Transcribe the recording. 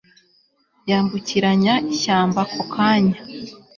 yambukiranya ishyamba ako kanya